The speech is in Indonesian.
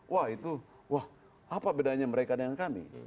wah itu wah apa bedanya mereka dengan kami